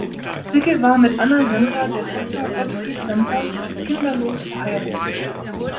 Sickel war mit Anna Semper, der Tochter Gottfried Sempers, kinderlos verheiratet.